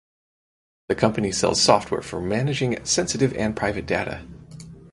The company sells software for managing sensitive and private data.